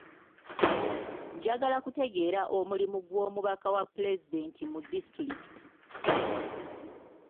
Njagala kutegeera omulimu gw'omubaka wa pulezidenti mu disitulikiti.